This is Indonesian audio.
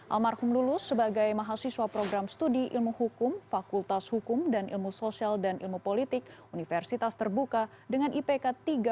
almarhum lulus sebagai mahasiswa program studi ilmu hukum fakultas hukum dan ilmu sosial dan ilmu politik universitas terbuka dengan ipk tiga